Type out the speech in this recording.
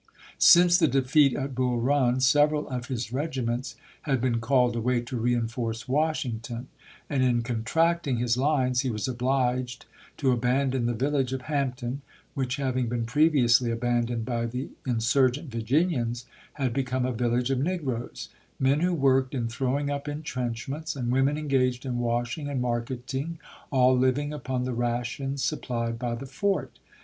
Since the defeat at THE CONTRABAND 393 Bull Run several of his regiments had been called ch. xxii. away to reenforce Washington, and in contracting his lines he was obliged to abandon the village of Hampton, which, having been previously aban doned by the insurgent Virginians, had become a village of negroes: men who worked in throwing up intrenchments, and women engaged in washing and marketing, all living upon the rations supplied by the fort.